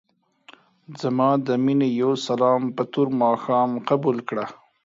ځما دې مينې يو سلام په تور ماښام قبول کړه.